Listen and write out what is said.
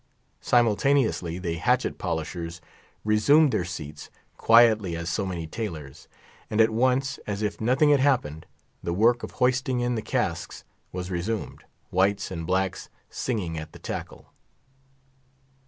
Simultaneously the hatchet polishers resumed their seats, quietly as so many tailors, and at once, as if nothing had happened, the work of hoisting in the casks was resumed, whites and blacks singing at the tackle.